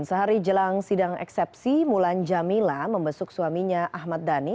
sehari jelang sidang eksepsi mulan jamila membesuk suaminya ahmad dhani